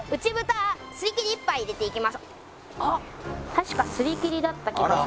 確かすり切りだった気がする。